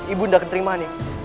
ibu undah kentering mata